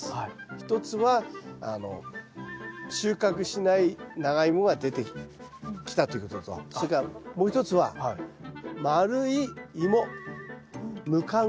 一つは収穫しないナガイモが出てきたということとそれからもう一つは丸いイモムカゴ。